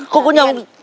cô có nhầm